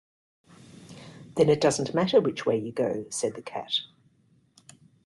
‘Then it doesn’t matter which way you go,’ said the Cat.